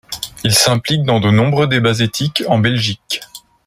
Il s’implique dans de nombreux débats éthiques en Belgique.